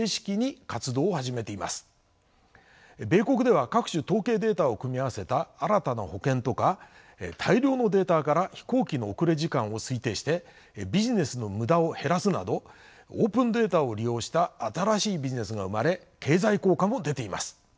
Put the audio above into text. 米国では各種統計データを組み合わせた新たな保険とか大量のデータから飛行機の遅れ時間を推定してビジネスの無駄を減らすなどオープンデータを利用した新しいビジネスが生まれ経済効果も出ています。